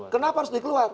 kenapa harus di keluar